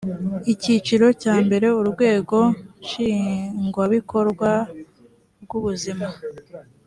icyiciro cya mbere urwego nshingwabikorwa rwubuzima